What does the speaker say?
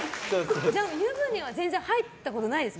じゃあ湯船は全然入ったことないですか。